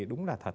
đúng là thật